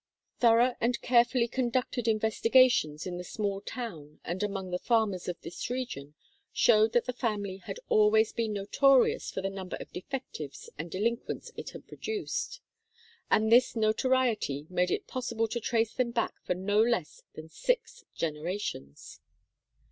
Thorough and carefully conducted in vestigations in the small town and among the farmers of this region showed that the family had always been notorious for the number of defectives and delinquents it had produced ; and this notoriety made it possible to trace them back for no less than six generations.